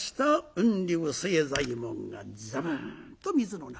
雲流清左衛門がザブンと水の中へ。